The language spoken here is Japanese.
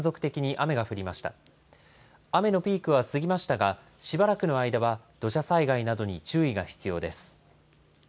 雨のピークは過ぎましたが、しばらくの間は土砂災害などに注意が必要です。